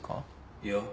いや。